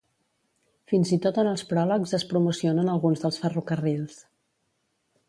Fins i tot en els pròlegs es promocionen alguns dels ferrocarrils.